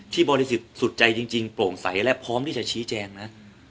บริสุทธิ์สุดใจจริงโปร่งใสและพร้อมที่จะชี้แจงนะ